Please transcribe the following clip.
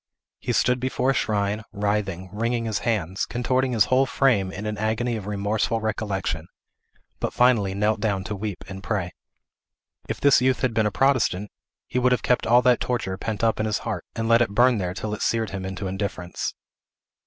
He stood before a shrine, writhing, wringing his hands, contorting his whole frame in an agony of remorseful recollection, but finally knelt down to weep and pray. If this youth had been a Protestant, he would have kept all that torture pent up in his heart, and let it burn there till it seared him into indifference.